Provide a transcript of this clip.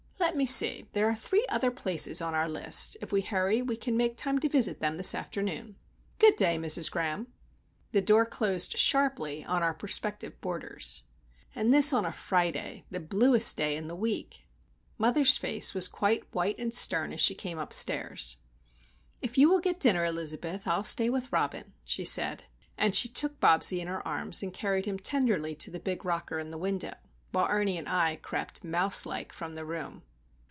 Let me see,—there are three other places on our list. If we hurry, we can make time to visit them this afternoon. Good day, Mrs. Graham." The door closed sharply on our prospective boarders. And this on a Friday,—the bluest day in the week! Mother's face was quite white and stern as she came upstairs. "If you will get dinner, Elizabeth, I'll stay with Robin," she said. And she took Bobsie in her arms, and carried him tenderly to the big rocker in the window, while Ernie and I crept, mouse like, from the room.